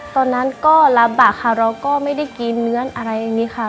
ตอนนั้นก็รับบะค่ะเราก็ไม่ได้กินเนื้ออะไรอย่างนี้ค่ะ